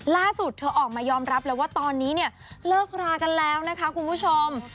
ล่าสุดเธอออกมายอมรับเลยว่าตอนนี้เนี่ยเลิกรากันแล้วนะคะคุณผู้ชม